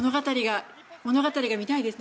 物語が見たいですね